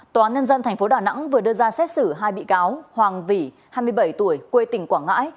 tòa án nhân dân tp đà nẵng vừa đưa ra xét xử hai bị cáo hoàng vỉ hai mươi bảy tuổi quê tỉnh quảng ngãi